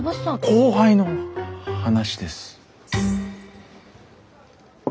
後輩の話です。